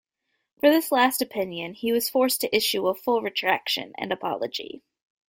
For this last opinion he was forced to issue a full retraction and apology.